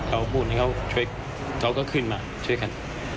ก็พูดให้เขาก็ขึ้นมาช่วยกัน